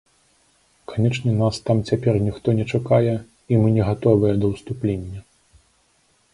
Канечне, нас там цяпер ніхто не чакае, і мы не гатовыя да ўступлення.